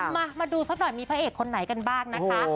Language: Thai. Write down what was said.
มาดูสักหน่อยมีพระเอกคนไหนกันบ้างนะคะ